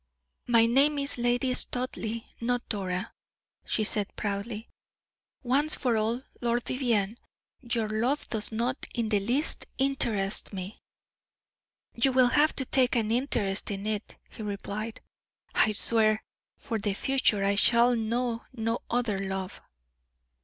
"My name is Lady Studleigh, not Dora," she said proudly. "Once for all, Lord Vivianne, your love does not in the least interest me." "You will have to take an interest in it," he replied; "I swear, for the future, you shall know no other love."